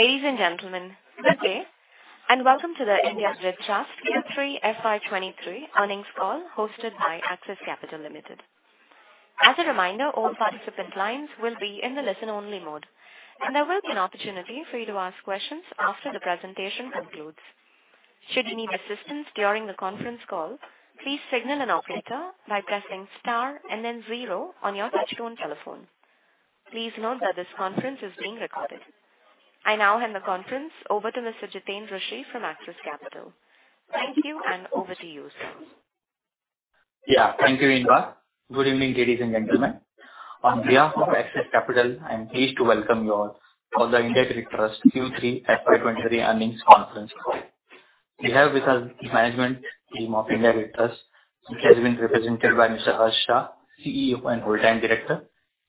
Ladies and gentlemen, good day, and welcome to the India Grid Trust Q3 FY23 earnings call hosted by Axis Capital Limited. As a reminder, all participant lines will be in the listen-only mode, and there will be an opportunity for you to ask questions after the presentation concludes. Should you need assistance during the conference call, please signal an operator by pressing star and then zero on your touchtone telephone. Please note that this conference is being recorded. I now hand the conference over to Mr. Jiten Rushi from Axis Capital. Thank you, and over to you, sir. Yeah. Thank you, Inba. Good evening, ladies and gentlemen. On behalf of Axis Capital, I'm pleased to welcome you all for the India Grid Trust Q3 FY 2023 earnings conference call. We have with us the management team of India Grid Trust, which has been represented by Mr. Harsh Shah, CEO and Whole-time Director.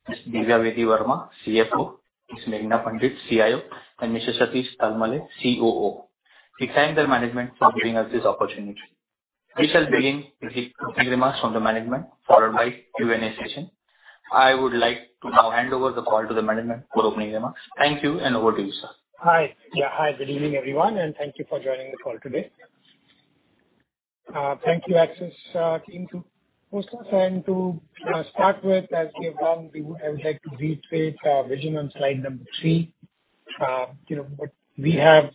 Ms. Divya Bedi Verma, CFO. Ms. Meghana Pandit, CIO. Mr. Satish Talmale, COO. We thank their management for giving us this opportunity. We shall begin with the opening remarks from the management, followed by Q&A session. I would like to now hand over the call to the management for opening remarks. Thank you, and over to you, sir. Hi. Yeah. Hi, good evening, everyone, and thank you for joining the call today. Thank you Axis team to host us. To start with, as we have come, I would like to reiterate our vision on slide number three. You know what we have,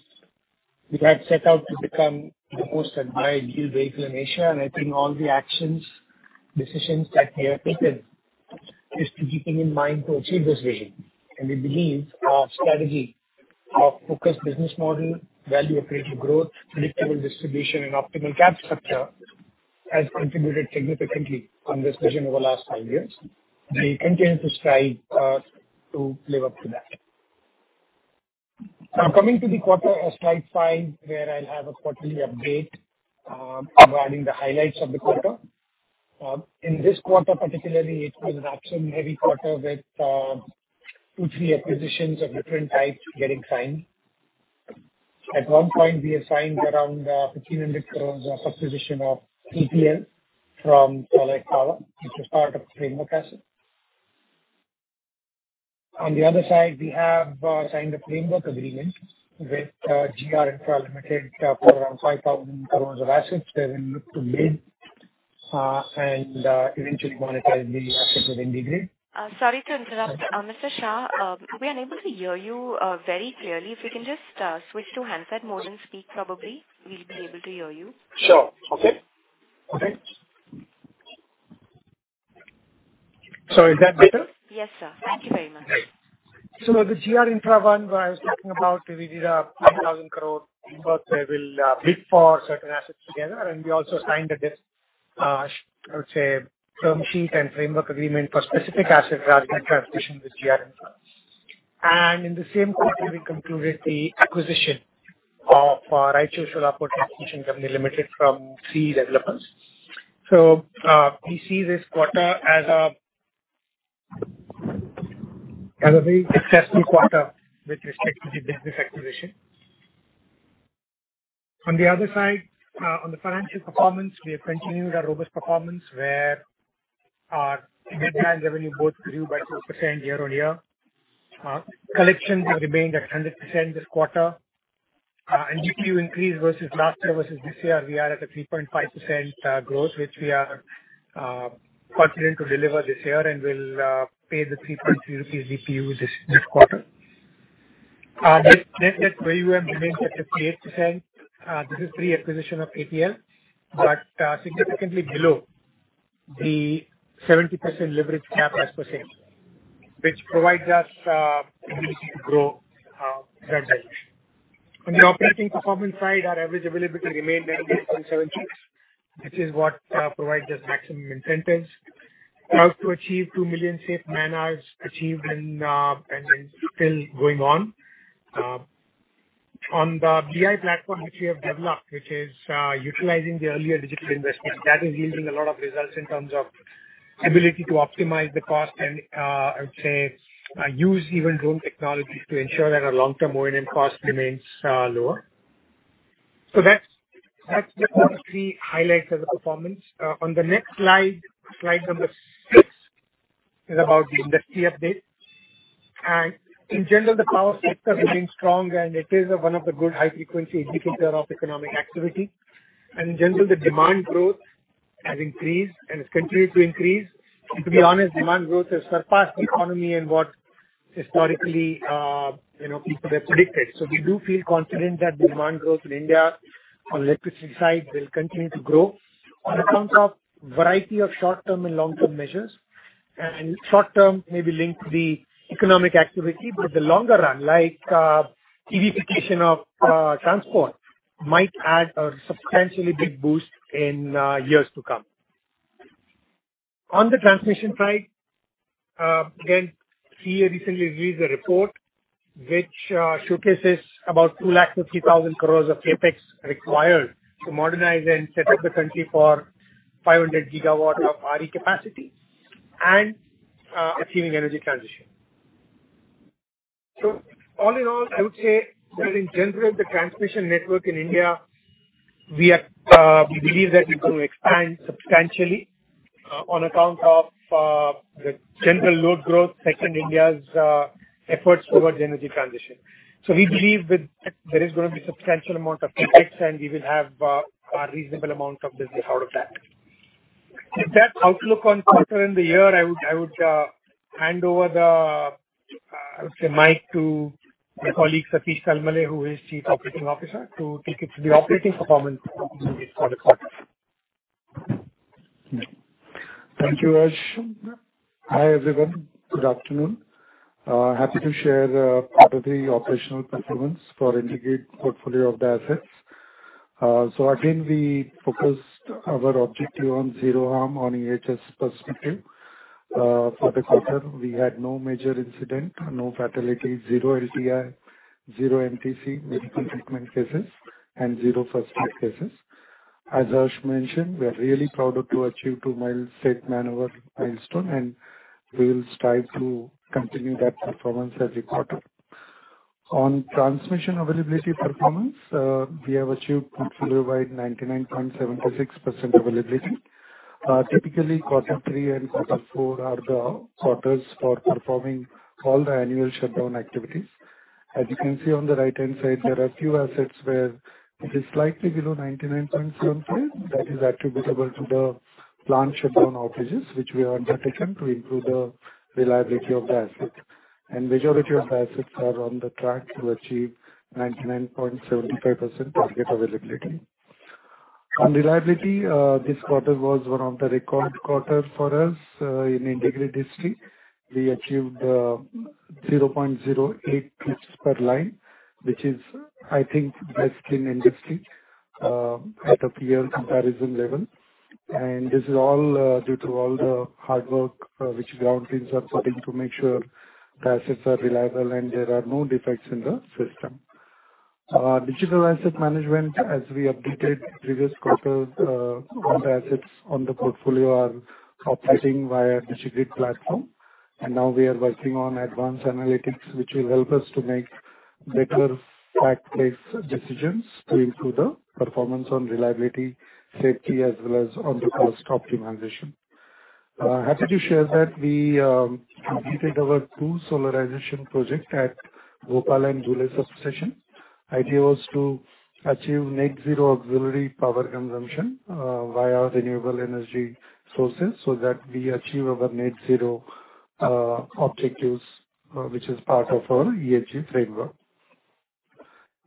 we have set out to become the most admired grid vehicle in Asia. I think all the actions, decisions that we have taken is to keeping in mind to achieve this vision. We believe our strategy of focused business model, value accretive growth, predictable distribution, and optimal cap structure has contributed significantly on this vision over the last five years. We continue to strive to live up to that. Coming to the quarter, slide five, where I'll have a quarterly update regarding the highlights of the quarter. In this quarter particularly, it was an action-heavy quarter with two, three acquisitions of different types getting signed. At one point, we had signed around 1,500 crores of acquisition of APL from Sterlite Power, which is part of framework asset. On the other side, we have signed a framework agreement with GR Infra Limited for around 5,000 crores of assets. They will look to bid and eventually monetize the assets within the grid. Sorry to interrupt. Mr. Shah, we're unable to hear you very clearly. If you can just switch to handset mode and speak, probably we'll be able to hear you. Sure. Okay. Okay. Sorry, is that better? Yes, sir. Thank you very much. Great. The G R Infra one where I was talking about, we did a 5,000 crore, but they will bid for certain assets together. We also signed a bit, I would say term sheet and framework agreement for specific asset class and transition with G R Infraprojects. In the same quarter, we concluded the acquisition of Rajashree Solar Power Transmission Company Limited from three developers. We see this quarter as a very successful quarter with respect to the business acquisition. On the other side, on the financial performance, we have continued our robust performance where our net revenue both grew by 6% year-on-year. Collections have remained at 100% this quarter. DPU increase versus last year versus this year we are at a 3.5% growth, which we are confident to deliver this year and will pay the 3.0 DPU this quarter. Net debt for you remains at 58%. This is pre-acquisition of APL, but significantly below the 70% leverage cap as per SEBI, which provides us ability to grow debt-wise. On the operating performance side, our average availability remained at 8.76, which is what provides us maximum incentives. Close to achieve 2 million Safe Man-Hours achieved and still going on. On the BI platform which we have developed, which is utilizing the earlier digital investments, that is yielding a lot of results in terms of ability to optimize the cost and I would say, use even own technology to ensure that our long-term O&M cost remains lower. That's just three highlights of the performance. On the next slide number six is about the industry update. In general, the power sector remains strong, and it is one of the good high-frequency indicator of economic activity. In general, the demand growth has increased and it's continued to increase. To be honest, demand growth has surpassed the economy and what historically, you know, people have predicted. We do feel confident that the demand growth in India on electricity side will continue to grow on account of variety of short-term and long-term measures. Short-term may be linked to the economic activity. The longer run, like, electrification of transport, might add a substantially big boost in years to come. On the transmission side, again, we recently released a report which showcases about 250,000 crores of CapEx required to modernize and set up the country for 500 gigawatt of RE capacity and achieving energy transition. All in all, I would say that in general, the transmission network in IndiaWe are, we believe that we're going to expand substantially, on account of the general load growth, second India's efforts towards energy transition. We believe that there is gonna be substantial amount of CapEx, and we will have a reasonable amount of business out of that. With that outlook on quarter in the year, I would hand over the mic to my colleague, Satish Talmale, who is Chief Operating Officer, to take you through the operating performance for the quarter. Thank you, Harsh. Hi, everyone. Good afternoon. Happy to share part of the operational performance for IndiGrid portfolio of the assets. So again, we focused our objective on zero harm on EHS perspective. For the quarter, we had no major incident, no fatality, zero LTI, zero MTC, medical treatment cases, and zero first aid cases. As Harsh mentioned, we are really proud to achieve two mile safe maneuver milestone, and we will strive to continue that performance every quarter. On transmission availability performance, we have achieved portfolio-wide 99.76% availability. Typically, quarter three and quarter four are the quarters for performing all the annual shutdown activities. As you can see on the right-hand side, there are few assets where it is slightly below 99.76. That is attributable to the plant shutdown outages, which we have undertaken to improve the reliability of the asset. Majority of assets are on the track to achieve 99.75% target availability. On reliability, this quarter was one of the record quarters for us in IndiGrid history. We achieved 0.08 trips per line, which is, I think, best in industry at a peer comparison level. This is all due to all the hard work which ground teams are putting to make sure the assets are reliable and there are no defects in the system. Our digital asset management, as we updated previous quarter, all the assets on the portfolio are operating via IndiGrid platform. Now we are working on advanced analytics, which will help us to make better fact-based decisions to improve the performance on reliability, safety, as well as on the cost optimization. Happy to share that we completed our two solarization projects at Gondia and Dhule substations. Idea was to achieve net zero auxiliary power consumption via renewable energy sources, that we achieve our net zero objectives, which is part of our ESG framework.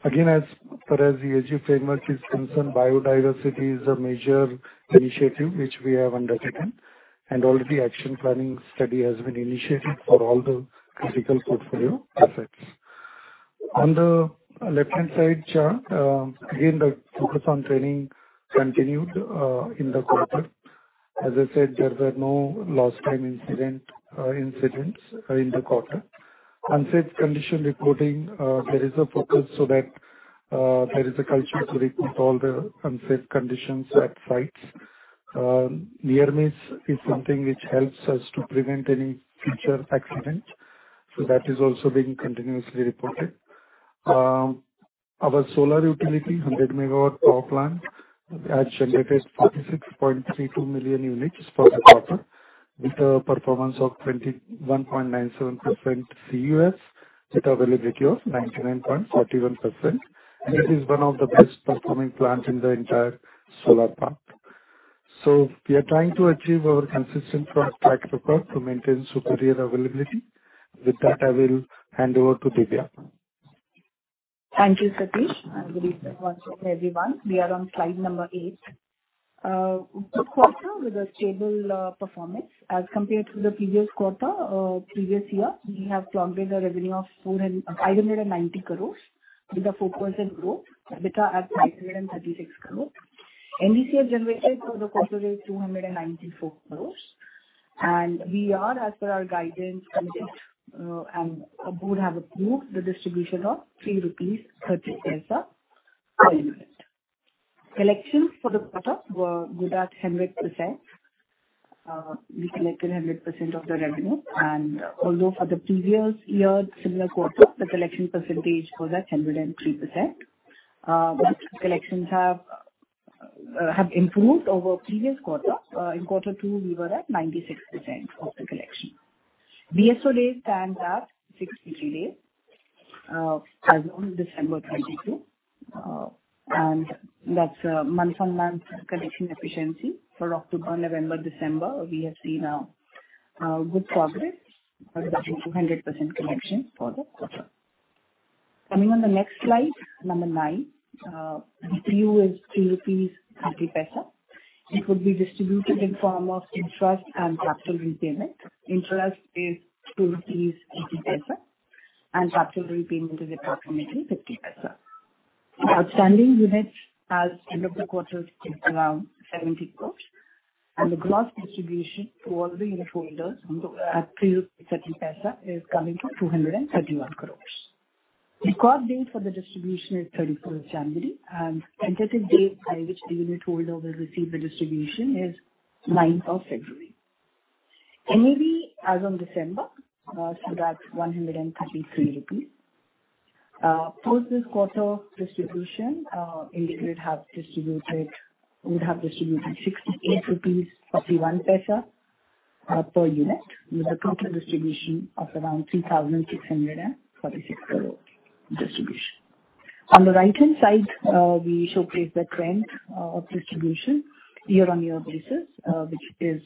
As far as ESG framework is concerned, biodiversity is a major initiative which we have undertaken, already action planning study has been initiated for all the critical portfolio assets. On the left-hand side chart, the focus on training continued in the quarter. As I said, there were no lost time incidents in the quarter. Unsafe condition reporting, there is a focus so that there is a culture to report all the unsafe conditions at sites. Near miss is something which helps us to prevent any future accidents, so that is also being continuously reported. Our solar utility, 100 MW power plant, has generated 46.32 million units for the quarter with a performance of 21.97% CUF with availability of 99.41%. This is one of the best performing plants in the entire solar park. We are trying to achieve our consistent track record to maintain superior availability. With that, I will hand over to Divya. Thank you, Satish. Greetings once again, everyone. We are on slide number eight. Good quarter with a stable performance. As compared to the previous quarter, previous year, we have clocked the revenue of 590 crores with a 4% growth, EBITDA at 536 crores. NDCF generated for the quarter is 294 crores. We are, as per our guidance, committed, and our board have approved the distribution of 3 rupees 30 paise a unit. Collections for the quarter were good at 100%. We collected 100% of the revenue. Although for the previous year, similar quarter, the collection percentage was at 103%, but collections have improved over previous quarter. In quarter two, we were at 96% of the collection. DSO days stands at 63 days, as on December 2022. That's month-on-month collection efficiency. For October, November, December, we have seen a good progress with a 200% collection for the quarter. Coming on the next slide, number nine. DPU is 3.30 rupees. It would be distributed in form of interest and capital repayment. Interest is 2.80 rupees, and capital repayment is approximately 0.50. Outstanding units as end of the quarter is around 70 crores, and the gross distribution to all the unitholders at 3.30 rupees is coming to 231 crores. Record date for the distribution is 31st January, and tentative date by which the unitholder will receive the distribution is 9th of February. NAV as on December, so that's 133 rupees. For this quarter distribution, IndiGrid would have distributed 68.41 rupees per unit, with a total distribution of around 3,646 crore distribution. On the right-hand side, we showcase the trend of distribution year-on-year basis, which is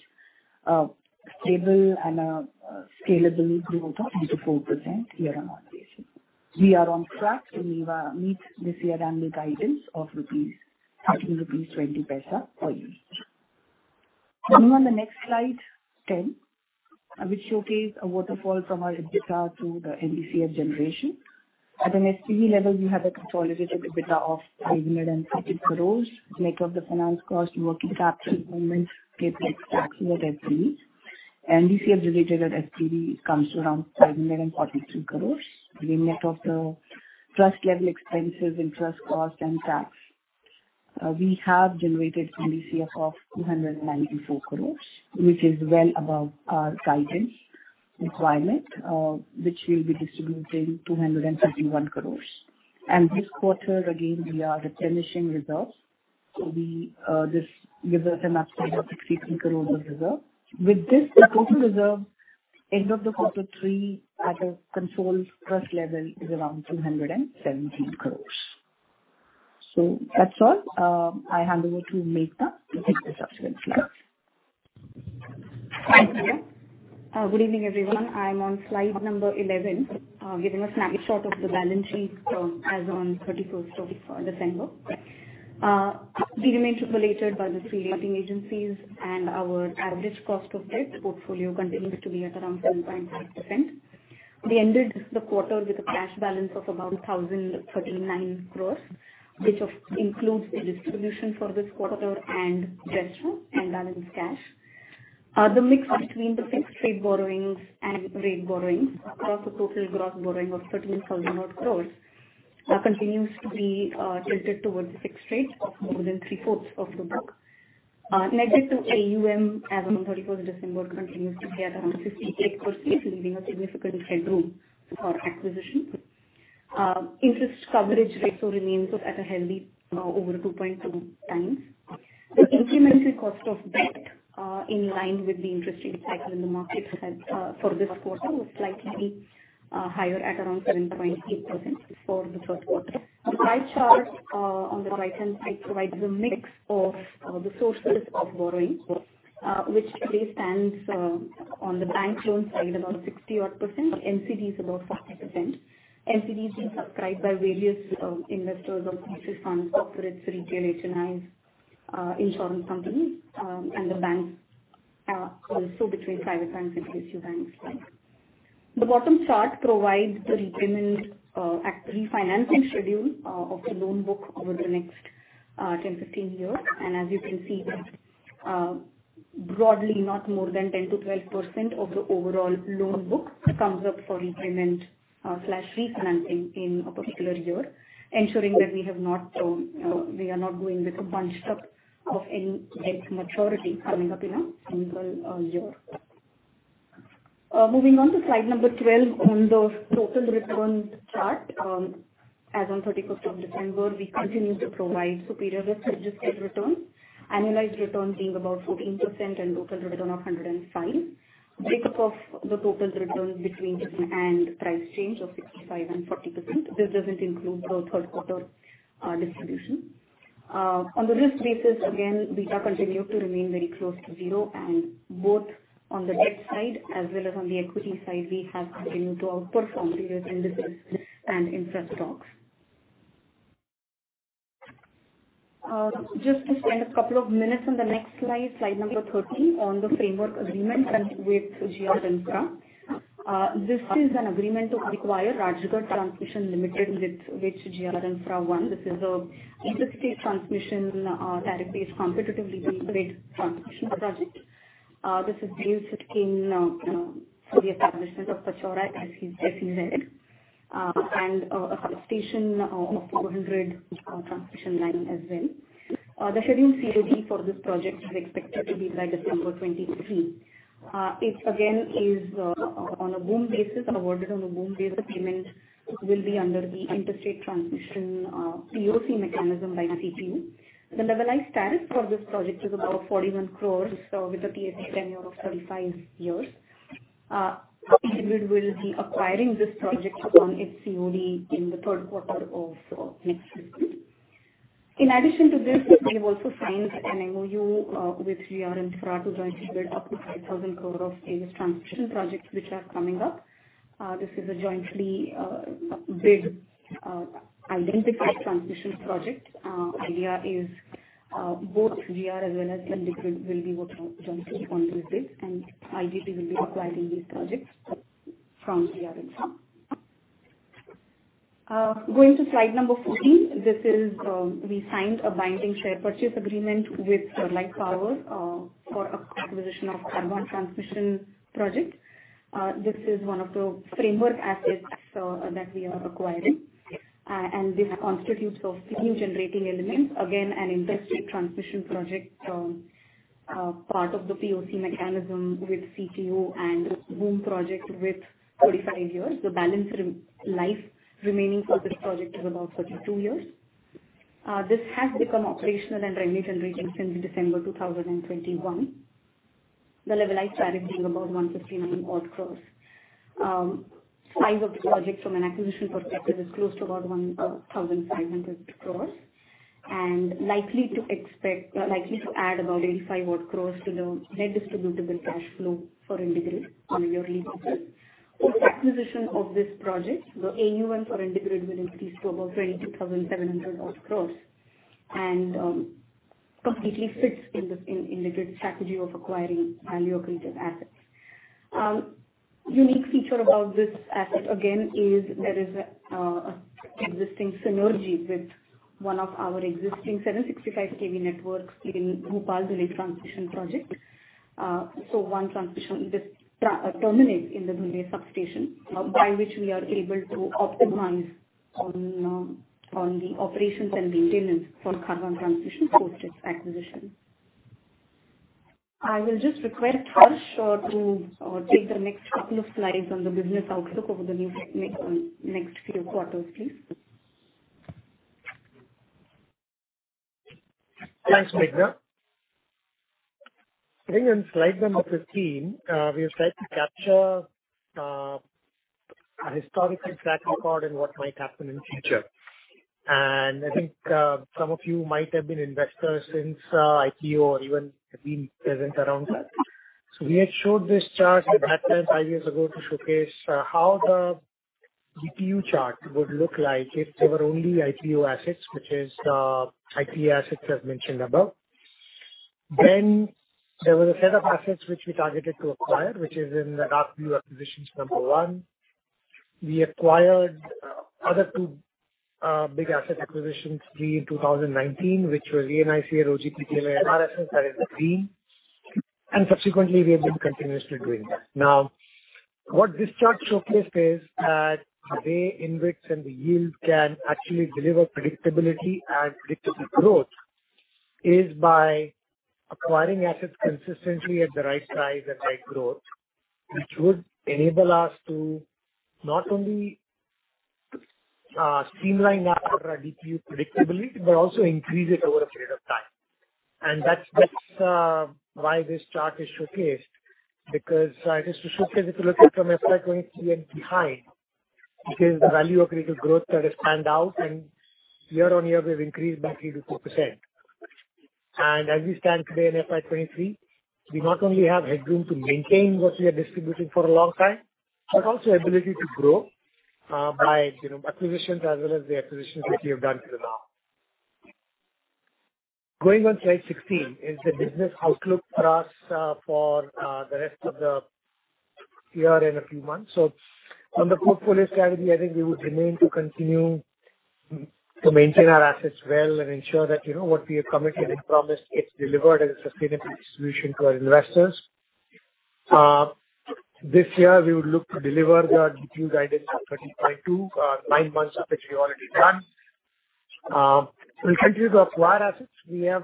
stable and scalable growth of 8%-4% year-on-year basis. We are on track to meet this year annual guidance of 13.20 rupees per unit. Moving on the next slide, ten. I will showcase a waterfall from our EBITDA to the NCF generation. At an SPV level, we have a consolidated EBITDA of 530 crore. Net of the finance cost, working capital movements, CapEx, tax and SFE. NCF generated at SPV comes to around 543 crore. We net off the trust level expenses, interest cost and tax. We have generated NCF of 294 crores, which is well above our guidance requirement, which we'll be distributing 231 crores. This quarter again we are replenishing reserves. This gives us an upside of 63 crores of reserve. With this, the total reserve end of the quarter three at a consolidated trust level is around 217 crores. That's all. I hand over to Megha to take the subsequent slides. Thank you. Good evening, everyone. I'm on slide number eleven, giving a snapshot of the balance sheet, as on 31st of December. We remain AAA-rated by the 3 rating agencies, and our average cost of debt portfolio continues to be at around 7.5%. We ended the quarter with a cash balance of about 1,039 crores, which includes the distribution for this quarter and decimal and balance cash. The mix between the fixed rate borrowings and rate borrowings across the total gross borrowing of 13,000 odd crores, continues to be tilted towards the fixed rates of more than three-fourths of the book. Net debt to AUM as on 31st December continues to be at around 58%, leaving a significant headroom for acquisition. Interest coverage ratio remains at a healthy over 2.2x. The incremental cost of debt in line with the interest rate cycle in the market has for this quarter was slightly higher at around 7.8% for the 3rd quarter. The pie chart on the right-hand side provides a mix of the sources of borrowing which today stands on the bank loans side about 60 odd %, NCDs about 40%. NCDs being subscribed by various investors or pension funds, corporate, retail, HNI, insurance companies, and the banks also between private banks and PSU banks. The bottom chart provides the repayment refinancing schedule of the loan book over the next 10-15 years. As you can see that, broadly, not more than 10%-12% of the overall loan book comes up for repayment, slash refinancing in a particular year. Ensuring that we have not, we are not going with a bunched up of any big maturity coming up in a single year. Moving on to slide number twelve. On the total returns chart, as on 31st of December, we continue to provide superior risk-adjusted returns. Annualized returns being about 14% and total return of 105. Breakup of the total returns between dividend and price change of 65% and 40%. This doesn't include the 3rd quarter distribution. Again, beta continued to remain very close to zero, and both on the debt side as well as on the equity side, we have continued to outperform peers in the disk and infra stocks. Just to spend a couple of minutes on the next slide number thirteen on the framework agreement with G R Infraprojects Limited. This is an agreement to acquire Rajgarh Transmission Limited with G R Infraprojects Limited. This is an inter-state transmission, tariff-based, competitively bid transmission project. This deals with king for the establishment of Pachora HC-HFL and a substation of 400 transmission line as well. The scheduled COD for this project is expected to be by December 2023. It again is on a BOOM basis, awarded on a BOOM basis. Payment will be under the interstate transmission, POC mechanism by CTU. The levelized tariff for this project is about 41 crore, with a PSA tenure of 35 years. IndiGrid will be acquiring this project on its COD in the third quarter of next fiscal. In addition to this, we have also signed an MOU with G R Infraprojects to jointly build up to 5,000 crore of various transmission projects which are coming up. This is a jointly, bid, identified transmission project. Idea is, both GR as well as IndiGrid will be working jointly on this bid, and IGT will be acquiring these projects from G R Infraprojects. Going to slide number fourteen. This is, we signed a binding share purchase agreement with Sunlight Power, for acquisition of Khargone Transmission project. This is one of the framework assets, that we are acquiring. This constitutes of two generating elements. Again, an industry transmission project, part of the POC mechanism with CTU and BOOM project with 45 years. The balance re-life remaining for this project is about 32 years. This has become operational and remit and reaching since December 2021. The levelized capacity being about 15 crore odd. Size of the project from an acquisition perspective is close to about 1,500 crores. Likely to expect, likely to add about 85 odd crores to the net distributable cash flow for IndiGrid on a yearly basis. With the acquisition of this project, the AUM for IndiGrid will increase to about 22,700 odd crores and completely fits in the IndiGrid strategy of acquiring value accretive assets. Unique feature about this asset again is there is an existing synergy with one of our existing 765 kV networks in Bhopal relay transmission project. One transmission just terminate in the Bhilai substation, by which we are able to optimize on the operations and maintenance for Khargone Transmission post its acquisition. I will just request Harsh to take the next couple of slides on the business outlook over the next few quarters, please. Thanks, Mitra. Going on slide number fifteen. we have tried to capture a historical track record and what might happen in future. I think, some of you might have been investors since IPO or even have been present around that. We had showed this chart with patterns 5 years ago to showcase how the DPU chart would look like if there were only IPO assets, which is IPO assets as mentioned above. Then there was a set of assets which we targeted to acquire, which is in the dark blue acquisitions number one. We acquired other two big asset acquisitions made in 2019, which was ANIC, OGPK and RSS that is in green. Subsequently, we have been continuously doing that. Now, what this chart showcased is that the way InvIT and the yield can actually deliver predictability and predictable growth is by acquiring assets consistently at the right size and right growth, which would enable us to not only streamline our DPU predictability, but also increase it over a period of time. That's why this chart is showcased, because it is to showcase if you look at from FY23 and behind, it is the value accretive growth that has panned out, and year-on-year we've increased by 3%-4%. As we stand today in FY23, we not only have headroom to maintain what we are distributing for a long time, but also ability to grow by, you know, acquisitions as well as the acquisitions which we have done till now. Going on slide sixteen is the business outlook for us for the rest of the year in a few months. On the portfolio strategy, I think we would remain to continue to maintain our assets well and ensure that, you know, what we have committed and promised, it's delivered as a sustainable distribution to our investors. This year we would look to deliver the DPU guidance of 30.2, 9 months of which we already done. We continue to acquire assets. We have,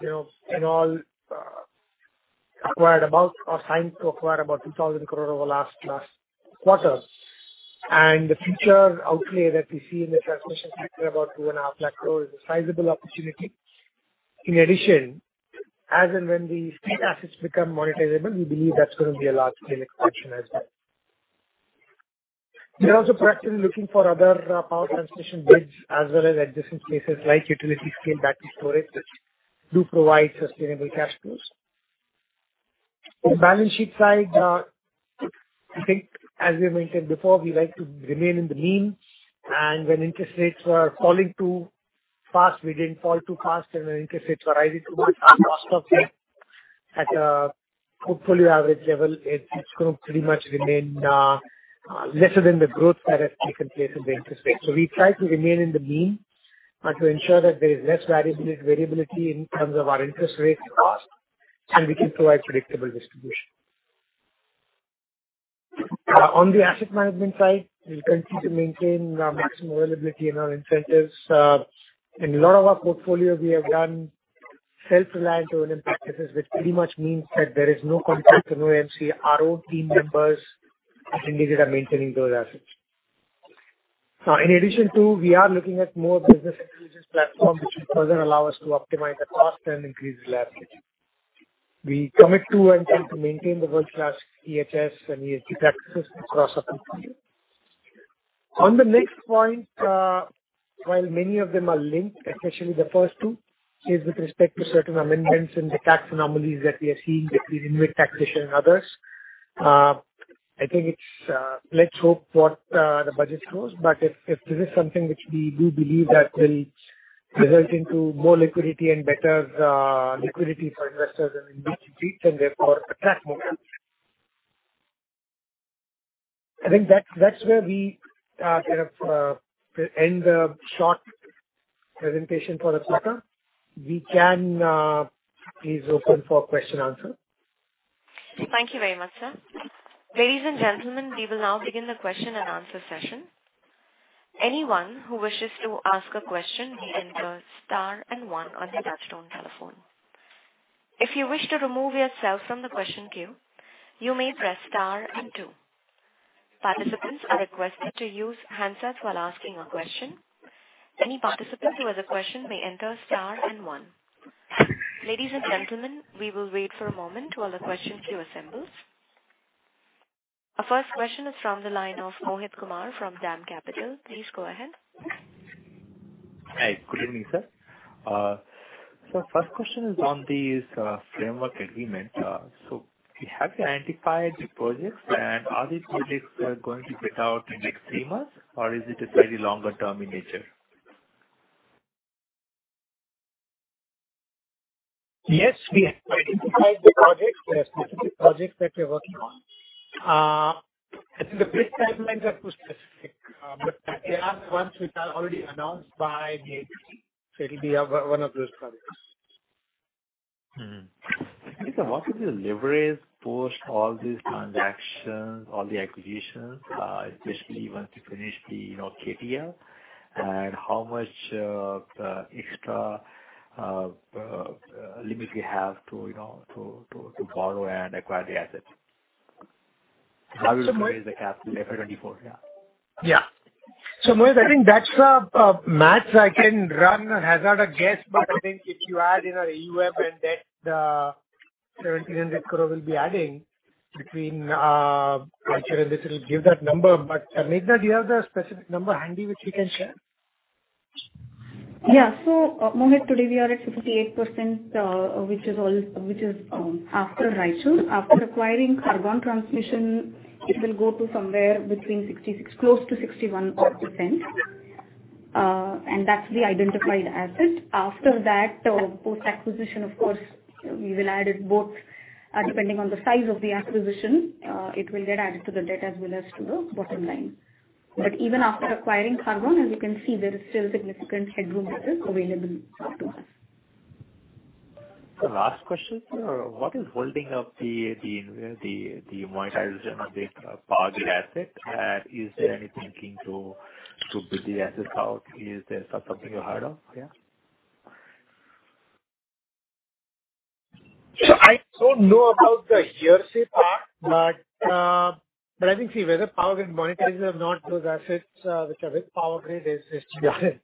you know, in all acquired about or signed to acquire about 2,000 crore over last quarter. The future outlay that we see in the transmission sector about 2.5 lakh crore is a sizable opportunity. In addition, as and when these three assets become monetizable, we believe that's going to be a large scale expansion as well. We are also practically looking for other power transmission bids as well as adjacent places like utility-scale battery storage that do provide sustainable cash flows. On balance sheet side, I think as we mentioned before, we like to remain in the mean, and when interest rates are falling too fast, we didn't fall too fast, and when interest rates were rising too much, our cost of debt at a portfolio average level, it's going to pretty much remain lesser than the growth that has taken place in the interest rate. We try to remain in the mean and to ensure that there is less variability in terms of our interest rate cost, and we can provide predictable distribution. On the asset management side, we continue to maintain maximum availability in our incentives. In a lot of our portfolio, we have done self-reliant O&M practices, which pretty much means that there is no contract, no MC. Our own team members at IndiGrid are maintaining those assets. In addition too, we are looking at more business intelligence platform which will further allow us to optimize the cost and increase reliability. We commit to and try to maintain the world-class EHS and ESG practices across our portfolio. On the next point, while many of them are linked, especially the first two, is with respect to certain amendments and the tax anomalies that we are seeing between IndiGrid taxation and others. I think it's, let's hope what the budget shows. If this is something which we do believe that will result into more liquidity and better liquidity for investors and InvITs and therefore attract more investors. I think that's where we kind of end the short presentation for the quarter. We can please open for question answer. Thank you very much, sir. Ladies and gentlemen, we will now begin the question and answer session. Anyone who wishes to ask a question may enter star and one on their touchtone telephone. If you wish to remove yourself from the question queue, you may press star and two. Participants are requested to use handsets while asking a question. Any participant who has a question may enter star and one. Ladies and gentlemen, we will wait for a moment while the question queue assembles. Our first question is from the line of Mohit Kumar from DAM Capital. Please go ahead. Hi. Good evening, sir. First question is on these framework agreement. Have you identified the projects, and are these projects going to get out in the next 3 months, or is it a very longer term in nature? Yes, we have identified the projects. There are specific projects that we are working on. I think the bid timelines are too specific, but they are the ones which are already announced by the AP. It'll be of one of those projects. Mm-hmm. Sir, what is the leverage post all these transactions, all the acquisitions, especially once you finish the, you know, KTL? How much extra limit you have to, you know, to borrow and acquire the assets? How will you raise the capital after 2024, yeah? Mohit, I think that's a math I can run as at a guess, but I think if you add in our EUF and debt, 1,700 crore will be adding between, I'm sure this will give that number. Meghna, do you have the specific number handy which you can share? Yeah. Mohit, today we are at 58%, which is after Rachu. After acquiring Khargone Transmission, it will go to somewhere between 66, close to 61% odd. That's the identified asset. After that, post-acquisition, of course, we will add it both, depending on the size of the acquisition, it will get added to the debt as well as to the bottom line. Even after acquiring Khargone, as you can see, there is still significant headroom that is available to us. Sir, last question. What is holding up the monetization of the Power Grid asset? Is there any thinking to bid the assets out? Is there something you heard of? Yeah. I don't know about the hearsay part, but I think, see, whether Power Grid monetizes or not, those assets, which are with Power Grid is G R.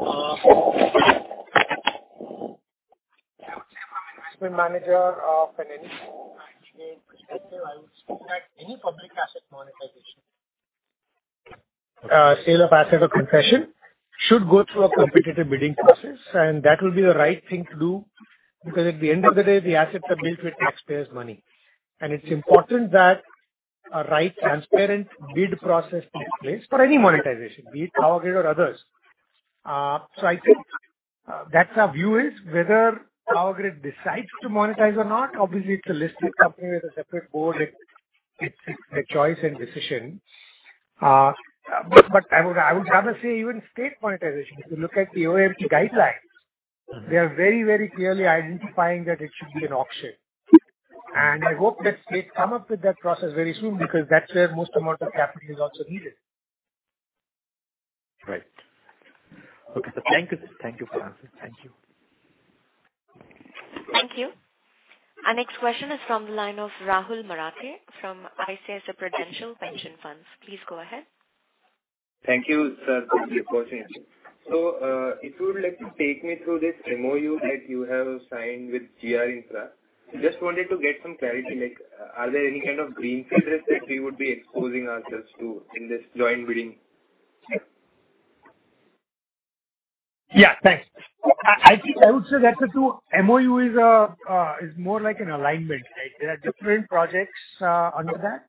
I would say from an investment manager of an IPA perspective, I would say that any public asset monetization, sale of asset or concession should go through a competitive bidding process. That will be the right thing to do, because at the end of the day, the assets are built with taxpayers' money. It's important that a right, transparent bid process takes place for any monetization, be it Power Grid or others. I think that's our view is whether Power Grid decides to monetize or not. Obviously, it's a listed company with a separate board. It's a choice and decision. I would have a say even state monetization. If you look at the OFS guidelines- Mm-hmm. they are very, very clearly identifying that it should be an auction. I hope that states come up with that process very soon, because that's where most amount of capital is also needed. Right. Okay, sir. Thank you. Thank you for answering. Thank you. Thank you. Our next question is from the line of Rahul Marathe from ICICI Prudential Pension Funds. Please go ahead. Thank you, sir. Thank you for sharing. If you would like to take me through this MOU that you have signed with G R Infra. Just wanted to get some clarity, like, are there any kind of greenfield risks that we would be exposing ourselves to in this joint bidding? Yeah. Thanks. I think I would say that the 2 MOU is more like an alignment, right? There are different projects under that.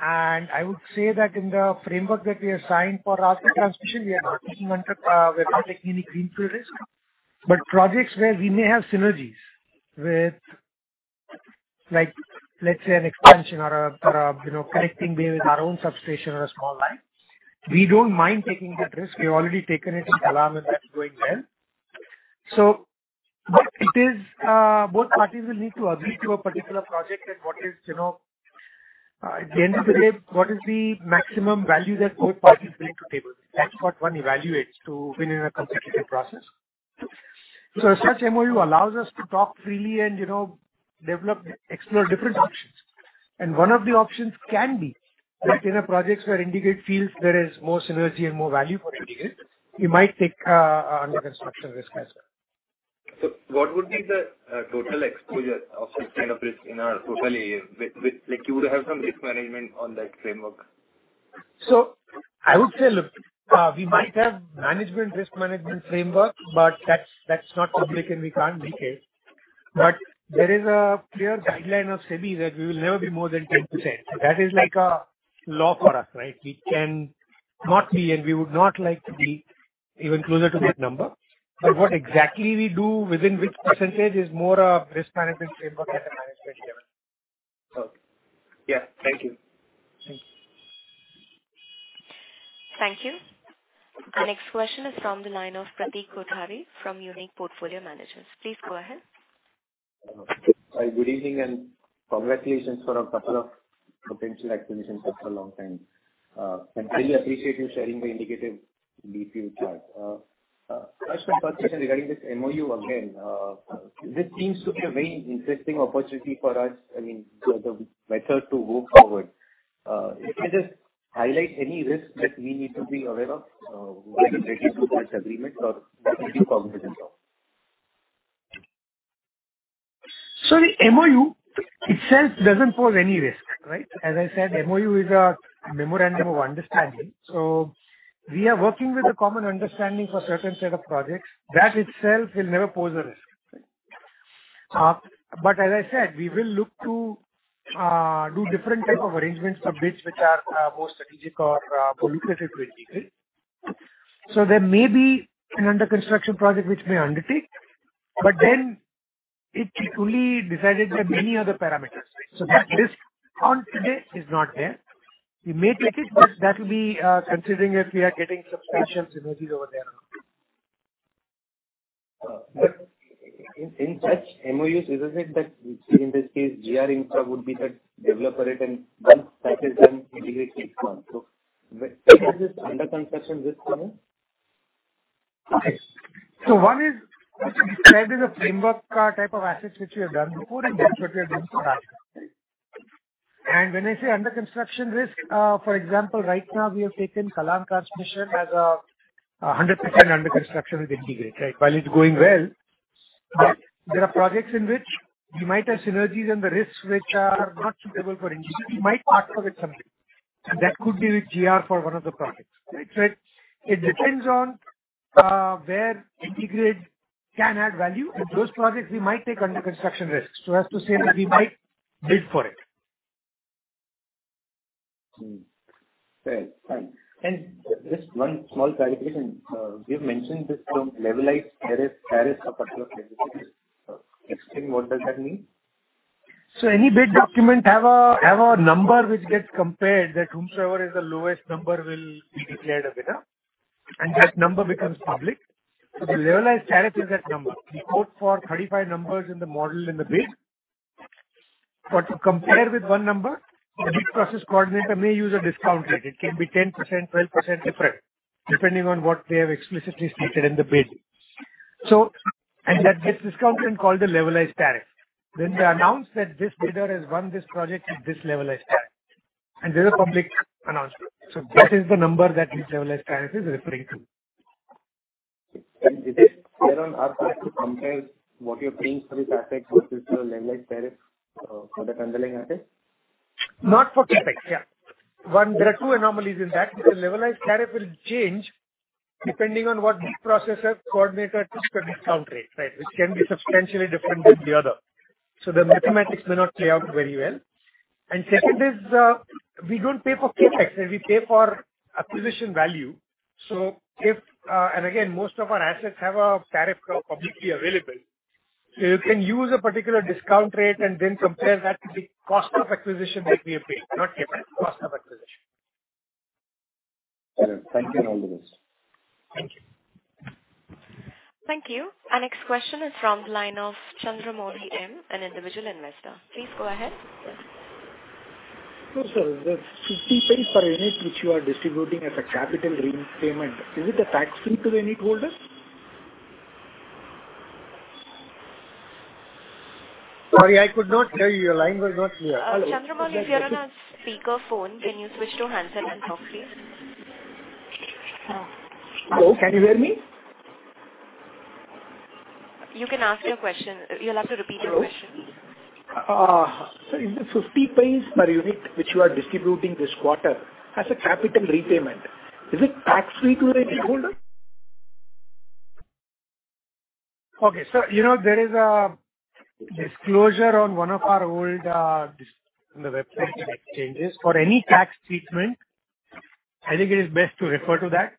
I would say that in the framework that we have signed for asset transmission, we are not taking any, we're not taking any greenfield risk. Projects where we may have synergies with, like, let's say an expansion or a, you know, connecting with our own substation or a small line, we don't mind taking that risk. We've already taken it in Kallam and that's going well. It is, both parties will need to agree to a particular project and what is, you know, at the end of the day, what is the maximum value that both parties bring to table. That's what one evaluates to win in a competitive process. As such, MOU allows us to talk freely and, you know, develop, explore different options. One of the options can be that in a project where IndiGrid feels there is more synergy and more value for IndiGrid, we might take under construction risk as well. What would be the total exposure of this kind of risk in our total AE? Like, you would have some risk management on that framework. I would say, look, we might have management risk management framework, but that's not public and we can't reveal. There is a clear guideline of SEBI that we will never be more than 10%. That is like a law for us, right. Not me, and we would not like to be even closer to that number. What exactly we do, within which percentage is more of risk management framework and management level. Okay. Yeah. Thank you. Thanks. Thank you. Our next question is from the line of Pratik Kothari from Unique Asset Management. Please go ahead. Hi, good evening. Congratulations for 2 potential acquisitions after a long time. I really appreciate you sharing the indicative DPU chart. First question regarding this MoU again. This seems to be a very interesting opportunity for us. I mean, we are the better to move forward. If you could just highlight any risk that we need to be aware of while getting to that agreement, that would be helpful. The MoU itself doesn't pose any risk, right? As I said, MoU is a memorandum of understanding, so we are working with a common understanding for certain set of projects. That itself will never pose a risk. But as I said, we will look to do different type of arrangements for bids which are more strategic or politically critical. There may be an under-construction project which we undertake, but then it's fully decided by many other parameters. That risk on today is not there. We may take it, but that'll be considering if we are getting substantial synergies over there or not. In such MoUs, isn't it that, say in this case, G R Infra would be the developer it in one cycle, then IndiGrid next month? What is this under-construction risk for me? Okay. One is described as a framework type of assets which we have done before, and that's what we are doing for that. When I say under-construction risk, for example, right now we have taken Kallam Transmission as a 100% under construction with IndiGrid, right? While it's going well, there are projects in which we might have synergies and the risks which are not suitable for IndiGrid. We might partner with somebody, and that could be with GR for one of the projects, right? It, it depends on where IndiGrid can add value. In those projects we might take under-construction risks, so as to say that we might bid for it. Mm. Fair. Fine. Just one small clarification. You've mentioned this term levelized tariff. Tariff of a particular project. Explain what does that mean? Any bid document have a number which gets compared that whomsoever is the lowest number will be declared a winner, and that number becomes public. The levelized tariff is that number. We quote for 35 numbers in the model in the bid. To compare with one number, the bid process coordinator may use a discount rate. It can be 10%, 12% different depending on what they have explicitly stated in the bid. This discount rate called the levelized tariff. When they announce that this bidder has won this project with this levelized tariff, and there's a public announcement. That is the number that this levelized tariff is referring to. Is it there on our side to compare what you're paying for this asset versus the levelized tariff for that underlying asset? Not for CapEx, yeah. One, there are two anomalies in that. The levelized tariff will change depending on what bid processor coordinator keeps the discount rate, right, which can be substantially different than the other. The mathematics may not play out very well. Second is, we don't pay for CapEx. We pay for acquisition value. Again, most of our assets have a tariff publicly available. You can use a particular discount rate and then compare that to the cost of acquisition that we are paying. Not CapEx, cost of acquisition. All right. Thank you. I understand. Thank you. Thank you. Our next question is from the line of Chandramouli M, an individual investor. Please go ahead. Sir, the 0.50 per unit which you are distributing as a capital repayment, is it a tax-free to the unitholder? Sorry, I could not hear you. Your line was not clear. Chandramouli, you're on a speakerphone. Can you switch to handset and talk, please? Hello, can you hear me? You can ask your question. You'll have to repeat your question. Hello? Is the 0.50 per unit which you are distributing this quarter as a capital repayment, is it tax-free to the unitholder? Okay. you know, there is a disclosure on one of our old on the website that changes. For any tax treatment, I think it is best to refer to that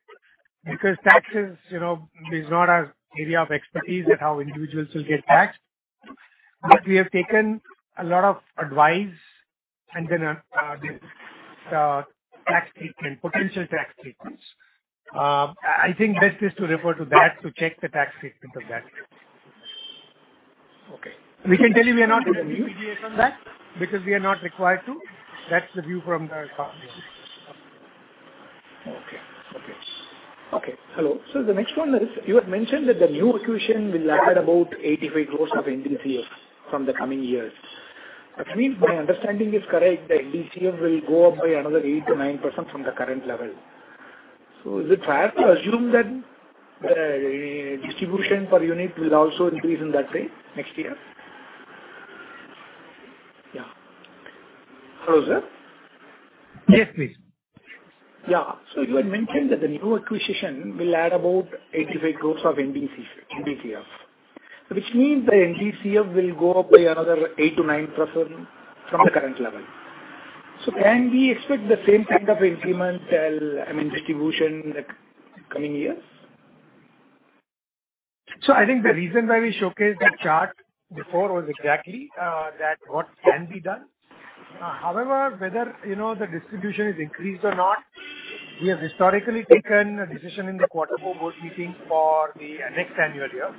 because taxes, you know, is not our area of expertise at how individuals will get taxed. We have taken a lot of advice and then the tax treatment, potential tax treatments. I think best is to refer to that to check the tax treatment of that. Okay. We can tell you we are not going to do anything on that because we are not required to. That's the view from the company. Okay. Hello. The next one is, you had mentioned that the new acquisition will add about 85 crores of NDCF from the coming years. If my understanding is correct, the NDCF will go up by another 8%-9% from the current level. Is it fair to assume that the distribution per unit will also increase in that way next year? Yeah. Hello, sir. Yes, please. Yeah. You had mentioned that the new acquisition will add about 85 crores of NDCF. Which means the NDCF will go up by another 8%-9% from the current level. Can we expect the same kind of incremental, I mean, distribution the coming years? I think the reason why we showcased that chart before was exactly that what can be done. However, whether, you know, the distribution is increased or not, we have historically taken a decision in the quarter four board meeting for the next annual year.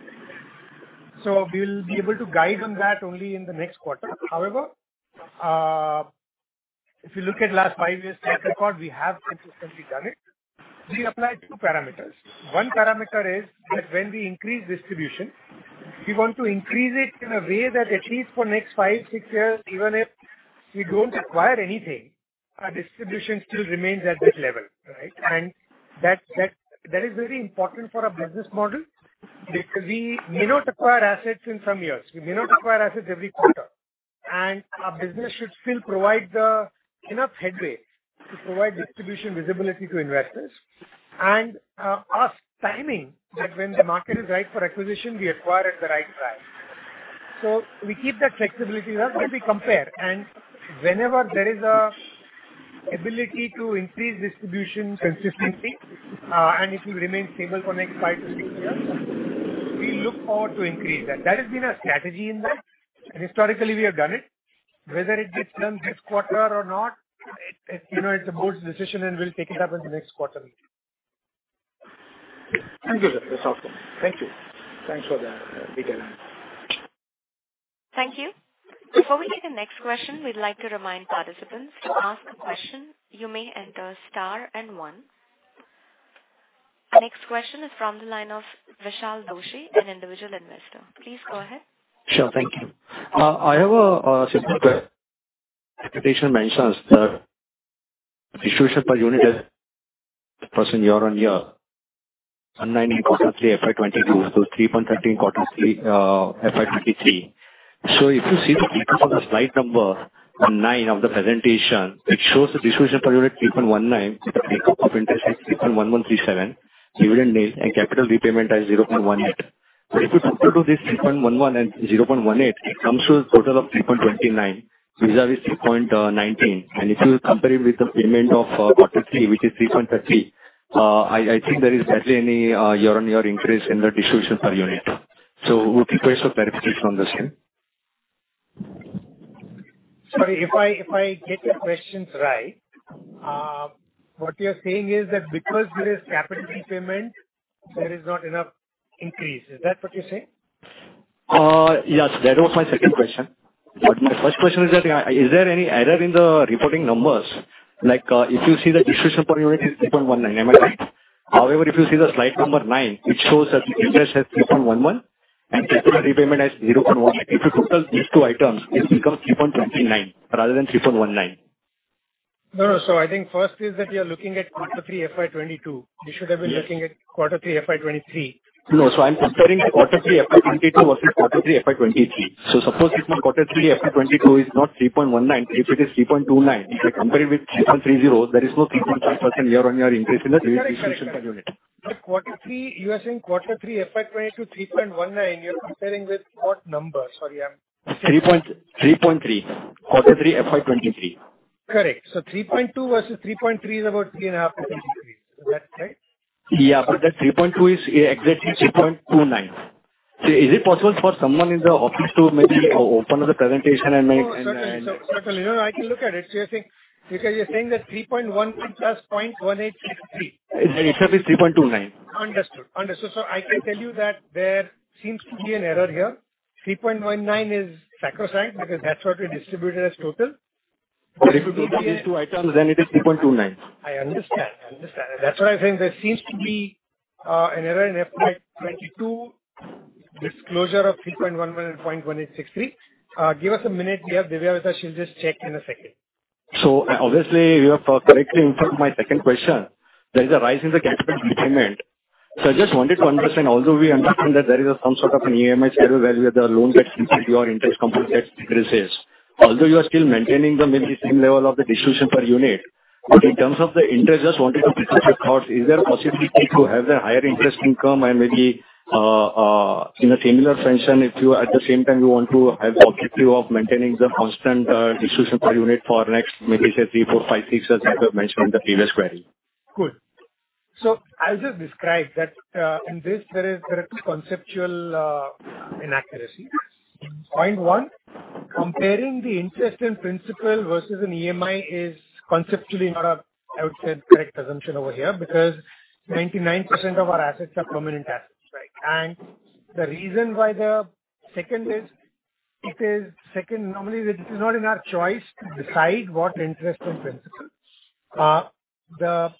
We'll be able to guide on that only in the next quarter. However, if you look at last five years track record, we have consistently done it. We apply two parameters. One parameter is that when we increase distribution, we want to increase it in a way that at least for next five, six years, even if we don't acquire anything, our distribution still remains at that level, right? That is very important for our business model because we may not acquire assets in some years. We may not acquire assets every quarter. Our business should still provide the enough headway to provide distribution visibility to investors and us timing that when the market is right for acquisition, we acquire at the right price. We keep that flexibility there when we compare. Whenever there is an ability to increase distribution consistently, and it will remain stable for next five -six years, we look forward to increase that. That has been our strategy in that, historically we have done it. Whether it gets done this quarter or not, it, you know, it's the board's decision and we'll take it up in the next quarter meeting. Thank you, sir. That's all from me. Thank you. Thanks for the detail. Thank you. Before we take the next question, we'd like to remind participants, to ask a question, you may enter star and 1. Our next question is from the line of Vishal Doshi, an individual investor. Please go ahead. Sure. Thank you. I have a simple question. Presentation mentions the distribution per unit is % year-on-year, INR 1.19 quarter three FY 2022, so 3.30 quarter three FY 2023. If you see the breakdown of slide 9 of the presentation, it shows the distribution per unit 3.19 with a break-up of interest at 3.1137, dividend nil and capital repayment as 0.18. If you total to this 3.11 and 0.18, it comes to a total of 3.29 vis-a-vis 3.19. If you compare it with the payment of quarter three, which is 3.30, I think there is barely any year-on-year increase in the distribution per unit. Would you please clarify please on the same? Sorry. If I get your questions right, what you're saying is that because there is capital repayment, there is not enough increase. Is that what you're saying? Yes. That was my second question. My first question is that, is there any error in the reporting numbers? Like, if you see the distribution per unit is 3.19. Am I right? However, if you see the slide number nine, it shows that the interest has 3.11 and capital repayment has 0.18. If you total these two items, it becomes 3.29 rather than 3.19. No, no. I think first is that you're looking at quarter three FY22. You should have been looking at quarter three FY23. No. I'm comparing Q3 FY 2022 versus Q3 FY 2023. Suppose if my Q3 FY 2022 is not 3.19, if it is 3.29, if I compare it with 3.30, there is no 3.5% year-on-year increase in the distribution per unit. Sorry, sorry. The quarter three, you are saying quarter three FY22, 3.19, you're comparing with what number? Sorry. 3.3. quarter three FY 2023. Correct. 3.2 versus 3.3 is about 3.5% increase. Is that right? Yeah. That 3.2 is exactly 3.29. Is it possible for someone in the office to maybe open up the presentation and make and- No. Certainly. Certainly. No, no. I can look at it. You're saying, because you're saying that 3.11 plus 0.1863. It should be 3.29. Understood. Understood. I can tell you that there seems to be an error here. 3.19 is sacrosanct because that's what we distributed as total. If you take. If you total these two items, then it is 3.29. I understand. I understand. That's why I'm saying there seems to be an error in FY 22 disclosure of 3.11 and 0.1863. Give us a minute. We have Divya with us. She'll just check in a second. Obviously you have correctly informed my second question. There is a rise in the capital repayment. I just wanted to understand, although we understand that there is some sort of an EMI schedule where the loan gets incurred, your interest component gets decreases. Although you are still maintaining the maybe same level of the distribution per unit, but in terms of the interest, just wanted to pick up your thoughts. Is there a possibility to have the higher interest income and maybe in a similar fashion, if you at the same time you want to have objective of maintaining the constant distribution per unit for next, maybe say three, four, five, six years as I've mentioned in the previous query? Good. As I've described that, in this there is direct conceptual inaccuracy. Point one, comparing the interest and principal versus an EMI is conceptually not a, I would say, correct assumption over here because 99% of our assets are permanent assets, right? The reason why the second is, normally this is not in our choice to decide what interest and principal. The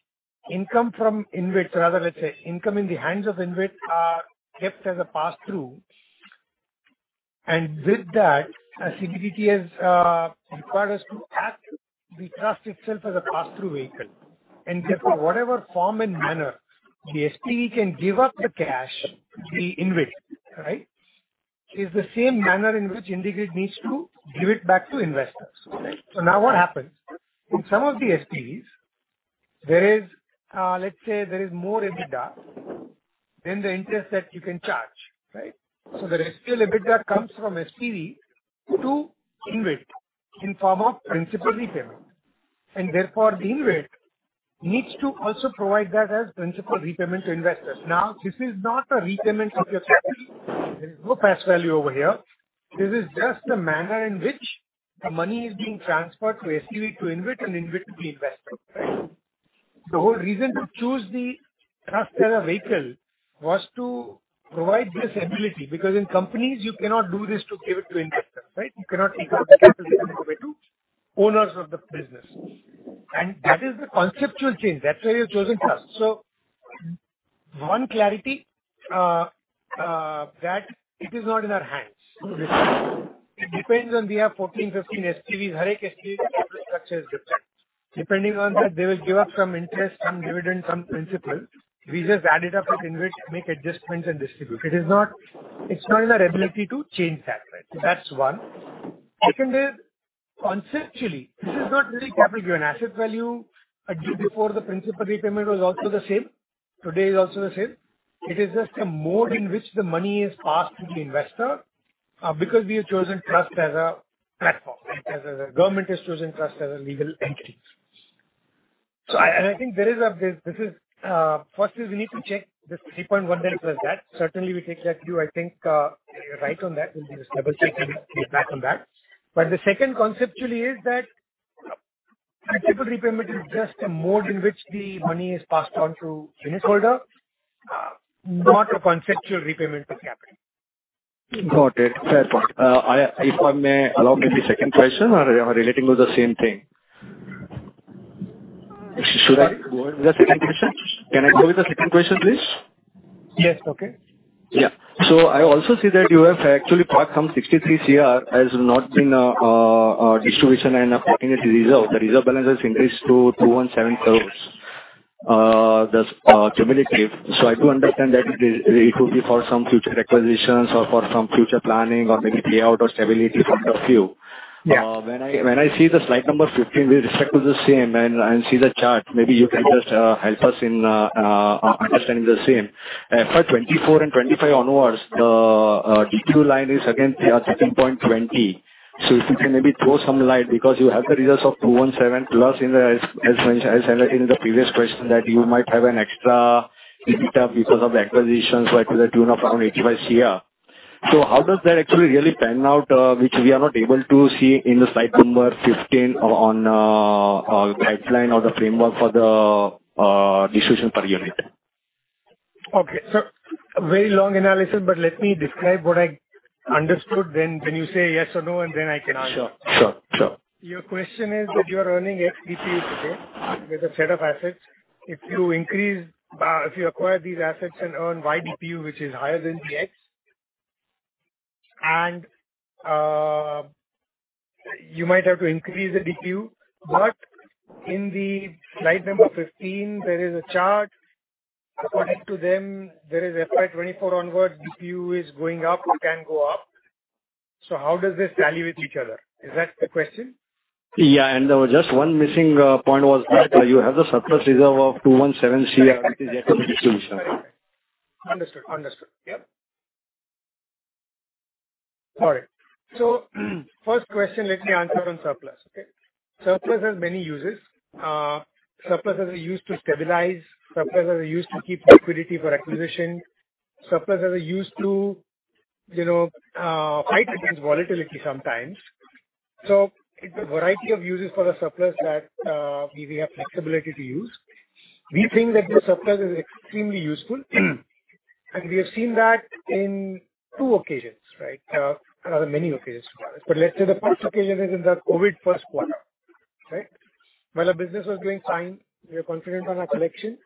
income from InvIT, rather let's say income in the hands of InvIT are kept as a passthrough. With that, CBDT has required us to act the trust itself as a passthrough vehicle. Therefore, whatever form and manner the SPE can give up the cash, the InvIT, right, is the same manner in which InvIT needs to give it back to investors. Right? Now what happens? In some of the SPEs, let's say there is more EBITDA than the interest that you can charge, right? The residual EBITDA comes from SPV to InvIT in form of principal repayment. Therefore, the InvIT needs to also provide that as principal repayment to investors. Now, this is not a repayment of your capital. There's no face value over here. This is just the manner in which the money is being transferred to SPV to InvIT and InvIT to the investor, right? The whole reason to choose the trust as a vehicle was to provide this ability, because in companies, you cannot do this to give it to investors, right? You cannot take out the capital given over to owners of the business. That is the conceptual change. That's why you've chosen trust. One clarity that it is not in our hands. It depends on we have 14, 15 SPVs. Every SPV, the capital structure is different. Depending on that, they will give us some interest, some dividend, some principal. We just add it up with InvIT, make adjustments, and distribute. It's not in our ability to change that, right? That's one. Second is, conceptually, this is not really capital given asset value. Before the principal repayment was also the same. Today is also the same. It is just a mode in which the money is passed to the investor, because we have chosen trust as a platform, right? As a government has chosen trust as a legal entity. I think there is this is, first is we need to check this 3.1 billion plus debt. Certainly, we take that view. I think, you're right on that. We'll be discussing and get back on that. The second conceptually is that principal repayment is just a mode in which the money is passed on to unitholder, not a conceptual repayment of capital. Got it. Fair point. If I may allow maybe second question relating to the same thing. Should I go with the second question? Can I go with the second question, please? Yes. Okay. I also see that you have actually parked some 63 CR has not been, distribution and parking it reserve. The reserve balance has increased to 217 crores, thus, cumulative. I do understand that it could be for some future acquisitions or for some future planning or maybe payout or stability point of view. Yeah. When I, when I see the slide number fifteen. with respect to the same and see the chart, maybe you can just help us in understanding the same. FY 2024 and 2025 onwards, the DQU line is again here, 13.20. If you can maybe throw some light because you have the results of 217+ in the, as mentioned, as in the previous question, that you might have an extra EBITDA because of the acquisitions, right, to the tune of around 85 crore. How does that actually really pan out, which we are not able to see in the slide number fifteen. on pipeline or the framework for the distribution per unit? Okay. A very long analysis, but let me describe what I understood then when you say yes or no, and then I can answer. Sure. Sure. Sure. Your question is that you are earning X DPU today with a set of assets. If you increase, if you acquire these assets and earn Y DPU, which is higher than the X, and you might have to increase the DPU. In the slide number fifteen., there is a chart. According to them, there is FY 24 onwards, DPU is going up, it can go up. How does this tally with each other? Is that the question? Yeah. Just one missing point was that you have the surplus reserve of 217 crore which is yet to be distributed. Understood. Understood. Yep. All right. First question, let me answer on surplus, okay? Surplus has many uses. Surplus are used to stabilize, surplus are used to keep liquidity for acquisition. Surplus are used to, you know, fight against volatility sometimes. It's a variety of uses for the surplus that we have flexibility to use. We think that the surplus is extremely useful. We have seen that in two occasions, right? Rather many occasions for us. Let's say the first occasion is in the COVID first quarter, right? While our business was doing fine, we were confident on our collection.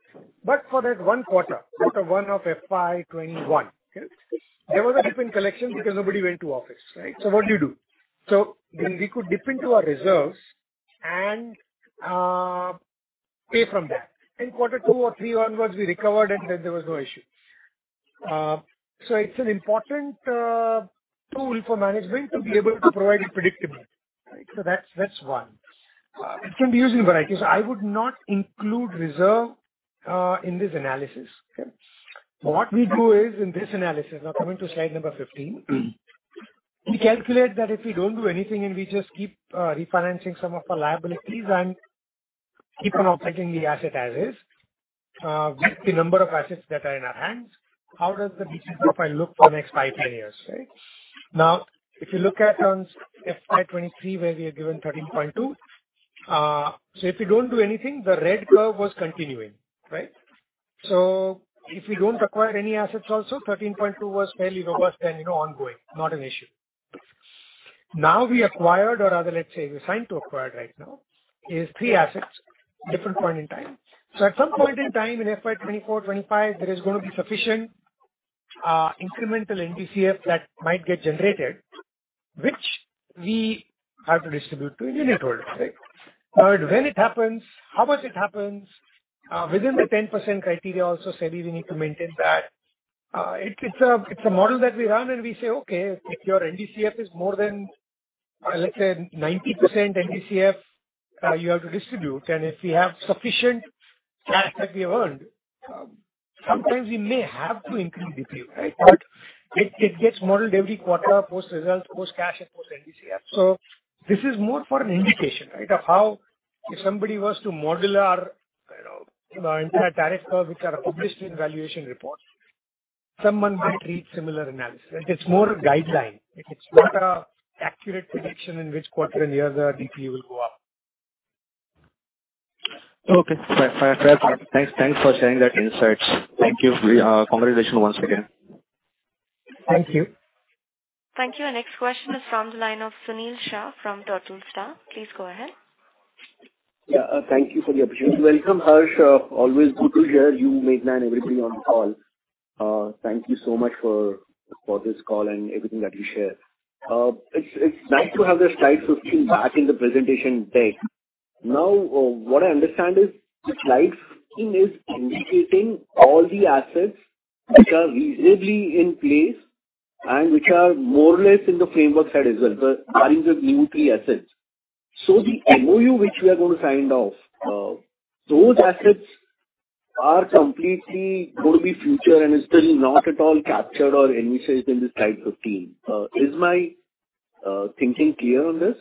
For that one quarter one of FY21, okay, there was a dip in collection because nobody went to office, right? What do you do? We could dip into our reserves and pay from that. In quarter two or three onwards, we recovered it, then there was no issue. It's an important tool for management to be able to provide predictability. That's one. It can be used in varieties. I would not include reserve in this analysis. Okay. What we do is in this analysis, now coming to slide number fifteen. we calculate that if we don't do anything and we just keep refinancing some of our liabilities and keep on operating the asset as is, with the number of assets that are in our hands, how does the DCF profile look for next five- ten years, right? Now, if you look at on FY23, where we have given 13.2, if we don't do anything, the red curve was continuing, right? If we don't acquire any assets also, 13.2 was fairly robust and, you know, ongoing, not an issue. We acquired, or rather, let's say, we signed to acquire right now is 3 assets, different point in time. At some point in time in FY 2024, 2025, there is gonna be sufficient incremental NDCF that might get generated, which we have to distribute to unitholder, right? When it happens, how much it happens, within the 10% criteria also, SEBI, we need to maintain that. It's a model that we run and we say, "Okay, if your NDCF is more than. Let's say 90% NDCF, you have to distribute. If we have sufficient cash that we have earned, sometimes we may have to increase DPU, right? It gets modeled every quarter post results, post cash and post NDCF. This is more for an indication, right, of how if somebody was to model our, you know, our entire tariff, which are published in valuation reports, someone might read similar analysis. Like, it's more a guideline. It's not an accurate prediction in which quarter and year the DPU will go up. Okay. Fair. Thanks for sharing that insights. Thank you. Congratulations once again. Thank you. Thank you. Our next question is from the line of Sunil Shah from Turtle Star. Please go ahead. Thank you for the opportunity. Welcome, Harsh. Always good to hear you, Meghnad, and everybody on the call. Thank you so much for this call and everything that you share. It's nice to have the slide fifteen. back in the presentation deck. Now, what I understand is slide fifteen. is indicating all the assets which are reasonably in place and which are more or less in the framework side as well, the lines of new three assets. The MOU which we are gonna sign off, those assets are completely gonna be future and is still not at all captured or initiated in the slide fifteen. Is my thinking clear on this?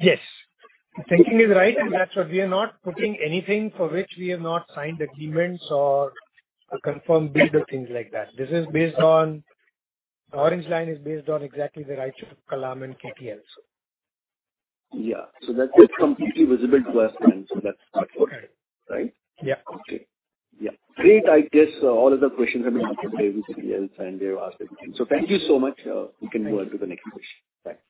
Yes. Your thinking is right, that's why we are not putting anything for which we have not signed agreements or a confirmed bid or things like that. This is Orange line is based on exactly the rights of Kallam and KTL. So. Yeah. That's completely visible to us, and so that's our focus. Okay. Right? Yeah. Okay. Yeah. Great. I guess all other questions have been asked by everybody else. They have asked everything. Thank you so much. We can move on to the next question. Thanks.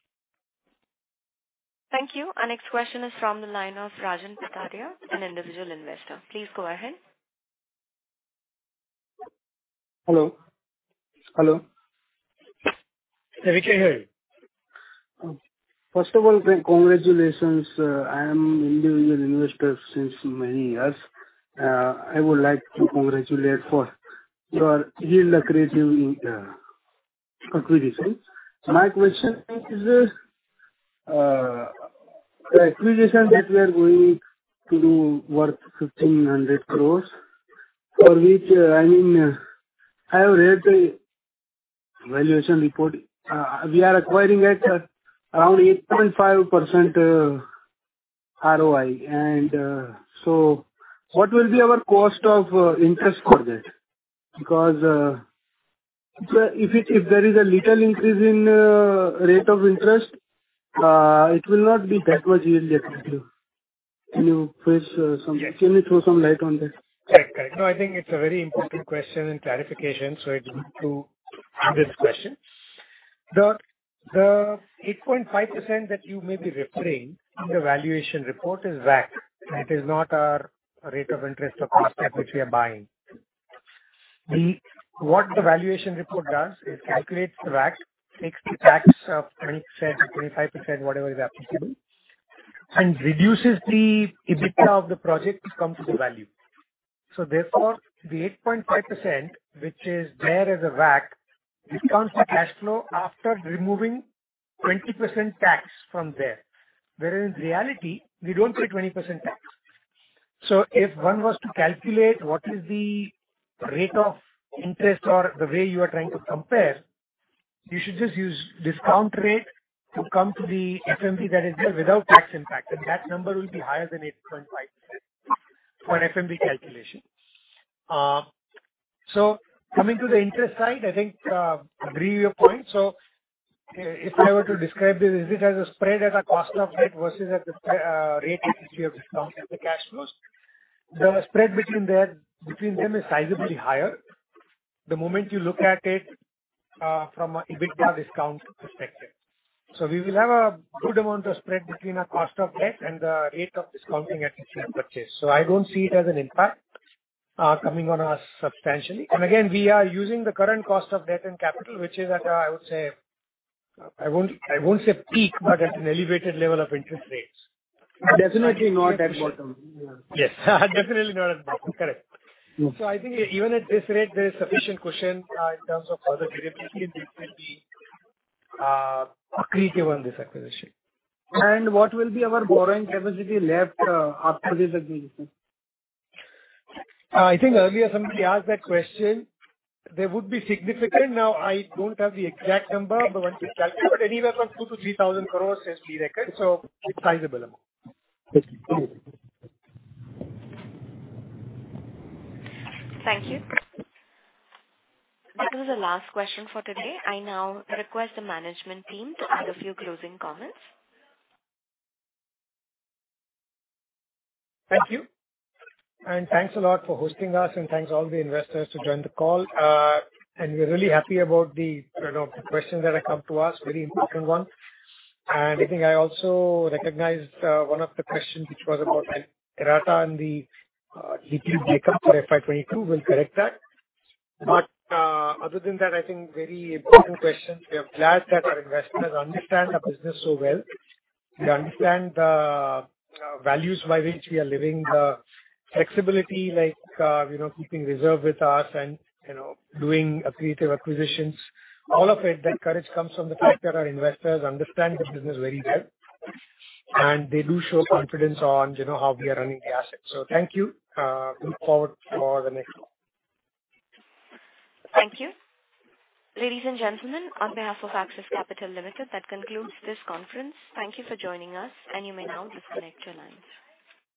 Thank you. Our next question is from the line of Rajan Patharia, an individual investor. Please go ahead. Hello? Hello? Yeah, we can hear you. Um, first of all, congratulations. Uh, I am individual investor since many years. Uh, I would like to congratulate for your yield accretive, uh, acquisition. My question is, uh, the acquisition that we are going to do worth fifteen hundred crores for which, I mean, I have read the valuation report. Uh, we are acquiring at, uh, around eight point five percent, uh, ROI. And, uh, so what will be our cost of, uh, interest for that? Because, uh, if, if it, if there is a little increase in, uh, rate of interest, uh, it will not be that much yield accretive. Can you please, uh, some- Yes. Can you throw some light on this? Correct. I think it's a very important question and clarification. I'd like to answer this question. The 8.5% that you may be referring in the valuation report is WACC. That is not our rate of interest of the step which we are buying. What the valuation report does is calculates the WACC, takes the tax of 20% or 25%, whatever is applicable, and reduces the EBITDA of the project to come to the value. Therefore, the 8.5%, which is there as a WACC, becomes the cash flow after removing 20% tax from there. Whereas in reality, we don't pay 20% tax. If one was to calculate what is the rate of interest or the way you are trying to compare, you should just use discount rate to come to the FMV that is there without tax impact, and that number will be higher than 8.5% for FMV calculation. Coming to the interest side, I think, agree with your point. If I were to describe this, is it as a spread as a cost of debt versus at the rate at which we have discounted the cash flows? The spread between them is sizably higher the moment you look at it, from a EBITDA discount perspective. We will have a good amount of spread between our cost of debt and the rate of discounting at which we have purchased. I don't see it as an impact, coming on us substantially. Again, we are using the current cost of debt and capital, which is at a, I would say, I won't say peak, but at an elevated level of interest rates. Definitely not at bottom. Yeah. Yes. Definitely not at bottom. Correct. No. I think even at this rate, there is sufficient cushion, in terms of further variability which will be accretive on this acquisition. What will be our borrowing capacity left, after this acquisition? I think earlier somebody asked that question. There would be significant. I don't have the exact number, the one which is calculated. Anywhere from 2,000-3,000 crores is the record, so it's sizable amount. Thank you. Thank you. This was the last question for today. I now request the management team to add a few closing comments. Thank you. Thanks a lot for hosting us, and thanks all the investors who joined the call. We're really happy about the, you know, the questions that have come to us, very important one. I think I also recognized one of the questions which was about like errata in the DPU makeup for FY 2022. We'll correct that. Other than that, I think very important questions. We are glad that our investors understand our business so well. They understand the values by which we are living, the flexibility like, you know, keeping reserve with us and, you know, doing accretive acquisitions. All of it, that courage comes from the fact that our investors understand the business very well, and they do show confidence on, you know, how we are running the assets. Thank you. Look forward for the next call. Thank you. Ladies and gentlemen, on behalf of Axis Capital Limited, that concludes this conference. Thank you for joining us, and you may now disconnect your lines.